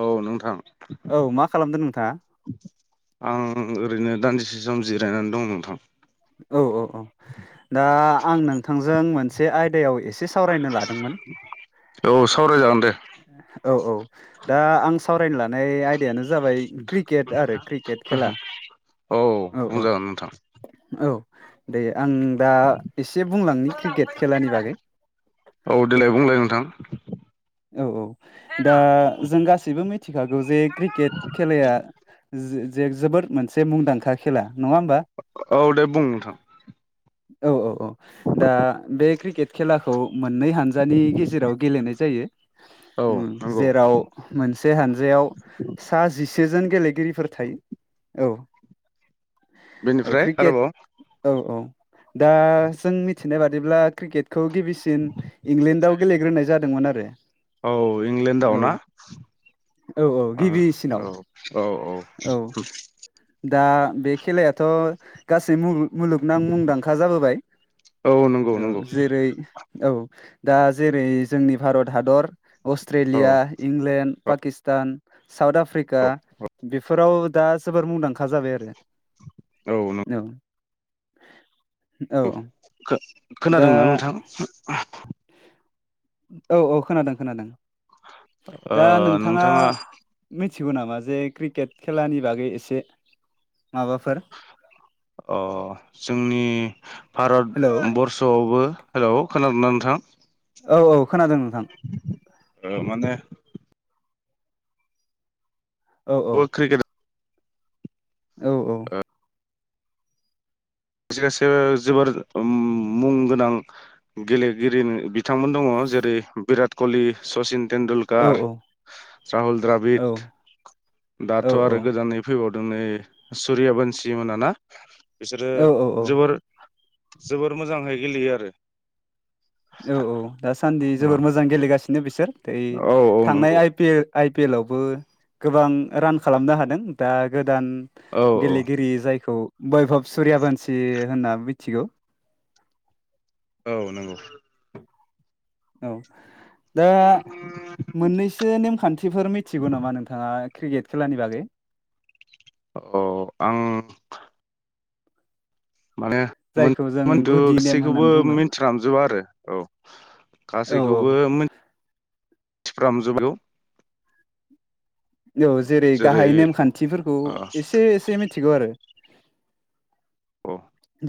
औ नोंथां। औ मा खालामदों नोंथाङा? आं ओरैनो दान्दिसे सम जिरायनानै दं नोंथां। औ औ औ दा आं नोंथांजों मोनसे आयदायाव एसे एसे सावरायनो लादोंमोन औ सावरायजागोन दे औ औ दा आं सावरायनो लानाय आय यानो जाबाय क्रिकेट आरो क्रिकेट खेला औ औ बुंजागोन नोंथां औ दे आं दा एसे बुंलांनि क्रिकेट खेलानि बागै औ देलाय बुंलाय नोंथां औ औ दा जों गासैबो मिथिखागौ जे क्रिकेट खेलाया जो जो-जो-जोबोद मोनसे मुंदांखा खेला नङा होमबा औ दे बुं नोंथां औ औ औ दा बे क्रिकेट खेलाखौ मोननै हानजानि गेजेराव गेलेनाय जायो औ उम नंगौ जेराव मोनसे हानजायाव सा जिसेजोन गेलेगि गिरिफोर थायो औ। औ बेनिफ्राय क्रिकेट आरोबाव औ औ दा जों मिथिनाय बादिब्ला क्रिकेट खौ गिबिसिन इंलेण्डआव गेलेग्रोनाय जादोंमोन आरो औ इंलेण्डआव औ ना? औ औ आ गिबिसिनाव औ औ औ दा बे खेलायाथ' गासै मुलुग मुलुगनां मुंदांखा जाबोबाय औ नंगौ औ नंगौ जेरै औ दा जेरै जोंनि भारत हादर औ अस्ट्रेलिया इंलेण्ड औ पाकिस्तान साउथ आफ्रिका औ बेफोराव दा जोबोर मुंदांखा जाबाय आरो औ। औ दा खो-खोनादोंना नोंथां? औ औ खोनादों खोनादों ओ दा नोंथांङा नोंथाङा मिथिगौ नामा जे क्रिकेट खेलानि बागै एसे माबाफोर अ जोंनि भारत हेलौ बरर्स'आवबो हेल' खोनादोंना नोंथां औ औ खोनादों नोंथां ओ माने औ औ [unintelligible] क्रिकेट औ औ खायसे खायसे जोबोर मुं गोनां गेलेगिरि बिथांमोन दंङ। जेरै बिराट कहलि सचिन औ टेन्डुलकार राहुल औ द्राबिद औ दाथ' आरो गोजानै फैबाव नै सुरिया बानसि मोन ना बिसोरो औ औ औ जोबोर जोबोर मोजांहै गेलेयो आरो औ औ दासान्दि जोबोर मोजां गेलेगासिनो बिसोर औ औ थांनाय नंगौ I P L I P L आवबो गोबां रान खालामनो हादों दा गोदो गोदान औ औ गेलेगिरि जायखौ बैभब सुरिया बानसि होनना मिथिगौ औ नंगौ औ दा मोननैसो नेमखान्थिफोर मिथिगौ नामा नोंथाङा? क्रिकेट खेलानि बागै अ आं माने मोन जायखौ जों मोनथु गुदि नेम गासैखौबो होननानै बुङो मिनथिफ्रामजोबा आरो औ। औ गासैखौबो मोनथिफ्रामजोबगौ। औ जेरै गाहाय नेमखान्थिफोरखौ अ एसे एसे मिथिगौ आरो। औ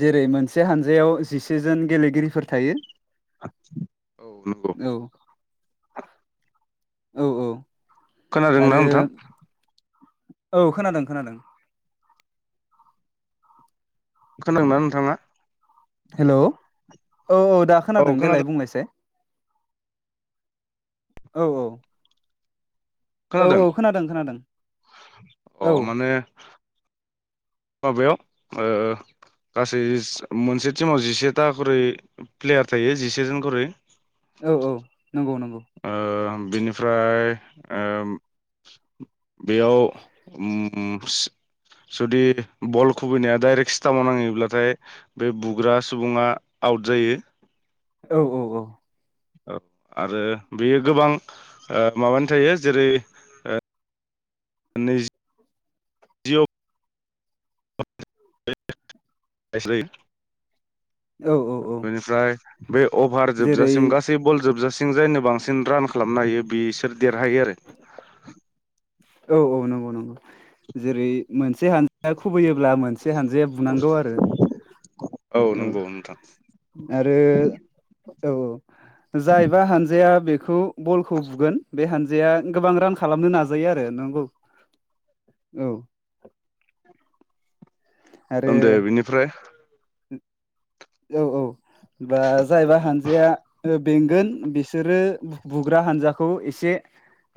जेरै मोनसे हानजायाव जिसेजोन गेलेगिरिफोर थायो। औ नंगौ। औ औ औ। खोनादोंना आरो नोंथां। औ खोनादों खोनादों। खोनादोंना नोंथाङा। हेलौ औ औ दा खोनादों देलाय बुंलायसाय। औ औ। औ औ खोनादों खोनादों। अ औ माने माबायाव ओ गासै मोनसे टिमाव जिसेथा खरै प्लेयार थायो जिसे जन खरै। औ औ। नंगौ नंगौ ओ बिनिफ्राय ओ बेयाव उ जुदि बल खुबैनाया डाइरेक्ट स्टामाव नाङैब्लाथाय बै बुग्रा सुबुङा आउट जायो। औ औ औ। औ आरो बेयो गोबां माबानि थायो जेरै ओ नैजि [unintelligible] गासै औ औ औ। बे अभार जेरै जोबजासिम गासै बल जोबजासिम जायनो बांसिन रान खालामनो हायो बिसोर देरहायो आरो। औ औ नंगौ नंगौ जेरै मोनसे हान खुबैयोब्ला मोनसे हानजाया बुनांगौ आरो औ। नंगौ नोंथां आरो औ औ जायबा हानजाया बेखौ बलखौ बुगोन बे हानजाया गोबां रान खालामनो नाजायो आरो नंगौ। औ। आरो ओनदो बिनिफ्राय औ औ बा जायबा हानजाया ओ बेंगोन बिसोरो बुग्रा हानजाखौ एसे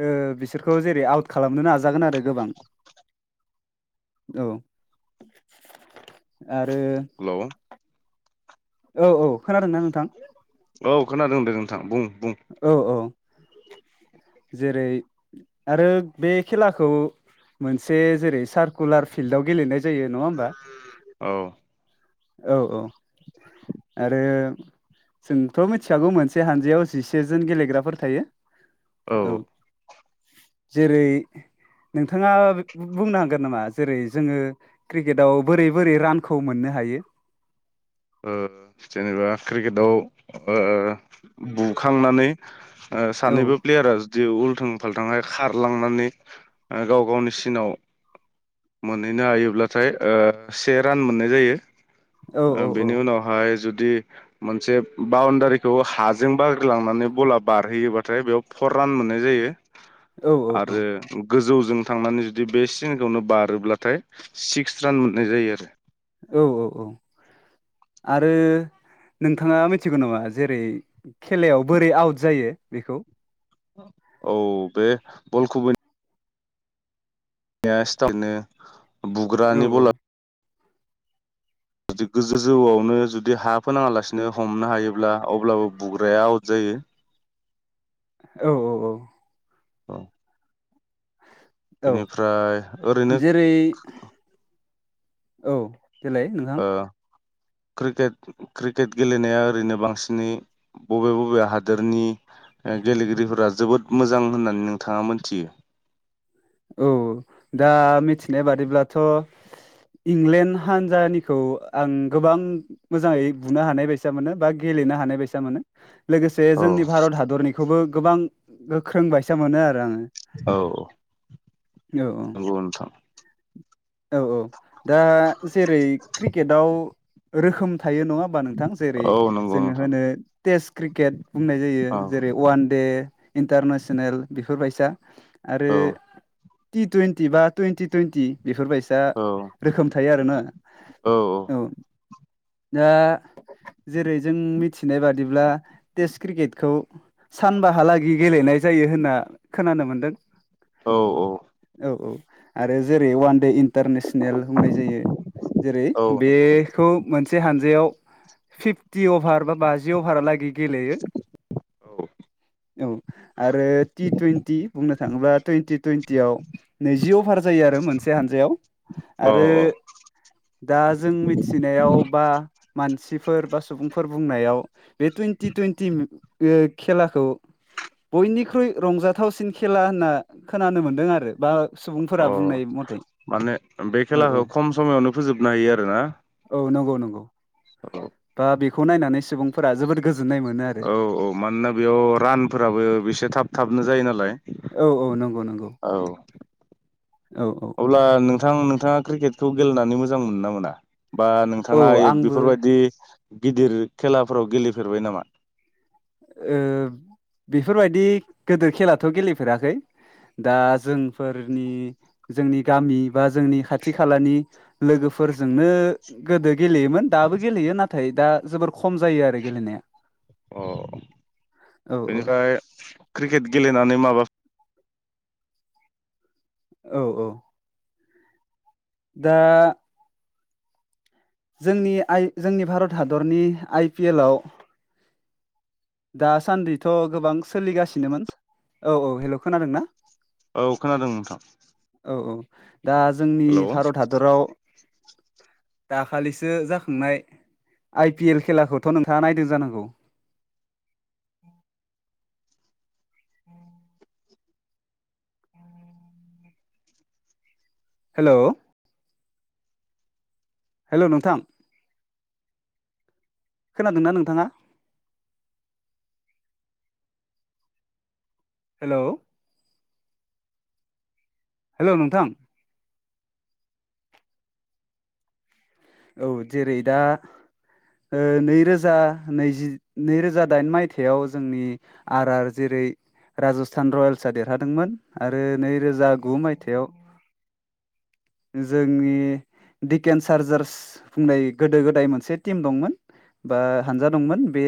ओ बिसोरखौ जेरै आउट खालामनो नाजागोन आरो गोबां। औ आरो। हेलौ औ औ। खोनादोंना नोंथां औ खोनादों होनदों नोंथां बुं। बुं औ औ। जेरै आरो बे खेलाखौ मोनसे जेरै सार्कुलार फिल्डआव गेलेनाय जायो नङा होमबा औ। औ औ आरो। जोंथ' मिथिखागौ मोनसे हानजायाव जिसेजोन गेलेग्राफोर थायो औ। जेरै नोंथाङा बुंनो हांगोन नामा जेरै जोङो क्रिकेटआव बोरै बोरै रानखौ मोनो हायो ओ जेनेबा क्रिकेटाव ओ बुखांनानै ओ औ सानैबो प्लेयारा जुदि उल्थों फालथांयै खारलांनानै गाव गावनि सिनाव मोनहैनो हायोब्लाथाय ओ से रान मोननाय जायो औ ओ औ औ बेनि उनवहाय जु दि मोनसे बाउणदारिखौ हाजों बाग्रिलांनानै बला बारहैयोबाथाय बेयाव फर पान मोननाय जायो औ औ आरो गोजौजों थांनानै जुदि बे सिनखौनो बारोब्लाथाय सिक्स रान मोननाय जायो आरो औ औ औ आरो नोंथाङा मिथिगौ नामा जेरै खेलायाव बोरै आउट जायो बेखौ औ बे बल खुबै या स्टामनो औ बुग्रानि औ बला जुदि गोजौ जौआवनो जुदि हा फोनाङालासिनो हमनो हायोब्ला अब्लाबो बुग्राया आउट जायो [unintelligible] औ औ औ औ औ बेनिफ्राय ओरैनो जेरै औ देलाय नोंथां क्रिकेट-क्रिकेट गेलेनाया ओरैनो बांसिनै बबे बबे हादोरनि ओ गेलेगिरिफोरा जोबोद मोजां होननानै नोंथाङा मोनथियो औ दा मिथिनाय बादिब्लाथ' इंलेण्ड हानजानिखौ आं गोबां मोजाङै बुनो हानाय बायसा मोनो बा गे- लेनो हानाय बायसा मोनो लोगोसे औ जोंनि भारत हादरनिखौबो गोबां गोख्रों बायसा मोनो आरो आङो औ औ नंगौ नोंथां औ औ दा जेरै क्रिकेटआव रोखोम थायो नङा होमबा नोंथां जेरै औ नंगौ जोङो नोंथां होनो टेस क्रिकेट बुंनाय जायो औ जेरै वान दे ए इन्टारनेसनेल बेफोरबायसा आरो औ टि टुइन्टि बा टुइन्टि टुइन्टि बेफोरबायसा औ रोखोम थायो आरोना औ दा जेरै जों मिथिनाय बादिब्ला टेस्ट क्रिकेटखौ सानबाहालागि गेलेनाय जायो होनना खोनानो मोनदों। औ औ औ औ आरो जेरै वानडे इन टारनेसनेल बुंनाय जायो जेरै औ नंगौ बेखौ मोनसे हानजायाव फिफ्टि अभार बा बाजि अभारालागै गेलेयो औ आरो टि टुइन्टि बुंनो थाङोब्ला टुइन्टि टुइन्टियाव नैजि अभार जायो आरो मोनसे हानजायाव औ आरो दा जों मिथिनायाव बा मान सिफोर बा सुबुंफोर बुंनायाव बे टुइन्टि टुइन्टि [unintelligible] खेलाखौ बयनिख्रुइ रंजाथावसिन खेला होनना खोनानो मोनदों आरो बा अ सुबुंफोरा बुंनाय मथै माने बे औ औ खेलाखौ खम समायावनो फोजोबनो हायो आरोना औ [unintelligible] खौ नायनानै सुबुंफोरा जोबोर गोजो औ औ मानोना बेयाव रानफोराबो बेसे थाब थाबनो जायो नालाय औ औ नंगौ नंगौ। औ औ औ अब्ला नोंथां नोंथाङा क्रिकेटखौ गेलेनानै मोजां मोनो ना मोना? बा औ नोंथाङा यो आंबो बेफोरबायदि गिदिर खेलाफोराव गेलेफेरबाय नामा? ओ बेफोरबायदि गोदिर खेलाथ' गेलेफेराखै। दा जोंफोरनि जोंनि गामि बा जोंनि खाथि खालानि लोगो फोरजोंनो गोदो गेलेयोमोन दाबो गेलेयो नाथाय दा जोबोर खम जायो आरो गेलेनाया। अ औ औ बेनिफ्राय क्रिकेट गेलेनानै माबा औ औ। दा जोंनि आइ जोंनि भारत हादरनि आइ पि एल आव दासान्दिथ' गोबां सोलिगासिनोमोन औ औ हेल' खोनादोंना? औ खोनादों नोंथां। औ औ दा जोंनि हेलौ भारत हादराव दाखालिसो जाखांनाय आइ पि एल खेलाखौथ' नोंथाङा नायदों जानांगौ? हेल'। हेलौ नोंथां। खोनादोंना नोंथाङा? हेलौ। हेलौ नोंथां। औ जेरै दा ओ नैरोजा नैजि नैरोजा दाइन मायथाइयाव जोंनि आर आर जेरै राजस्थान रयेल्सआ देरहादोंमोन आरो नैरोजा गु माइथायाव जोंनि दिकेन चार्जार्स होननाय गोदो गोदाय मोनसे टिम दंमोन बा हानजा दंमोन। बे